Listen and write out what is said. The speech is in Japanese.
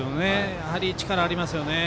やはり力がありますよね。